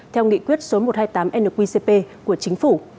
theo nghị quyết số một trăm hai mươi tám nqcp của chính phủ